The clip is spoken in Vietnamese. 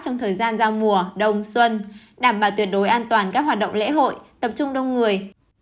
trong thời gian giao mùa đông xuân đảm bảo tuyệt đối an toàn các hoạt động lễ hội tập trung đông người